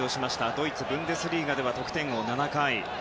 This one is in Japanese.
ドイツブンデスリーガでは得点王７回。